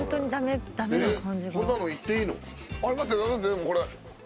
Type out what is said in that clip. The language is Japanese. でもこれ。